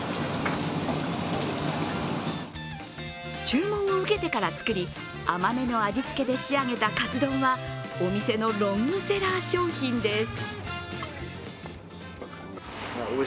注文を受けてから作り、甘めの味つけで仕上げたかつ丼はお店のロングセラー商品です。